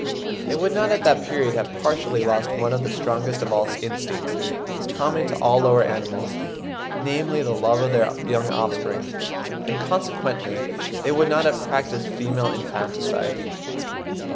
They would not at that period have partially lost one of the strongest of all instincts, common to all the lower animals, namely the love of their young offspring; and consequently they would not have practised female infanticide.